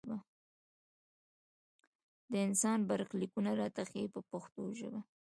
د انسان برخلیکونه راته ښيي په پښتو ژبه.